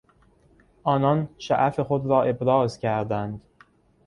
آنان شعف خود را ابراز کردند.